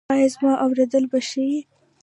ایا زما اوریدل به ښه شي؟